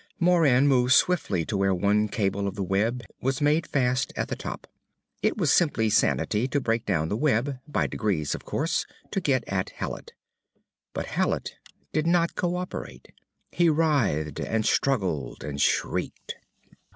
Moran moved swiftly to where one cable of the web was made fast at the top. It was simple sanity to break down the web by degrees, of course to get at Hallet. But Hallet did not cooperate. He writhed and struggled and shrieked.